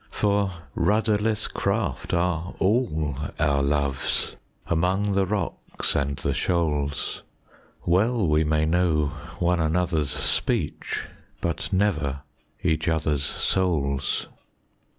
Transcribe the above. For rudderless craft are all our loves, among the rocks and the shoals, Well we may know one another's speech, but never each other's souls.